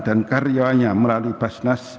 dan karyawannya melalui basnas